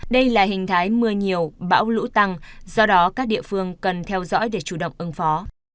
đây là hình thái mưa nhiều bão lũ tăng do đó các địa phương cần theo dõi để chủ động ứng phó